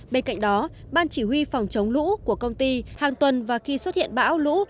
bên cạnh đó ban chỉ huy phòng chống lũ của công ty hàng tuần và khi xuất hiện bão lũ